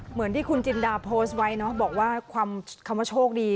เหมือนที่คุณจินดาโพสต์ไว้เนาะบอกว่าความคำว่าโชคดี